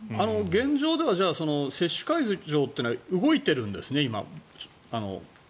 現状では接種会場というのは動いているんですね？